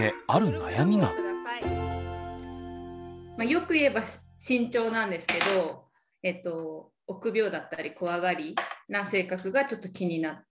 よく言えば慎重なんですけど臆病だったり怖がりな性格がちょっと気になっています。